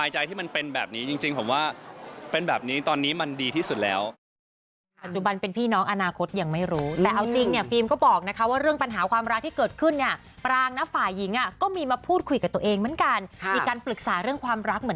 มันเป็นแบบนี้จริงผมว่าเป็นแบบนี้ตอนนี้มันดีที่สุดแล้ว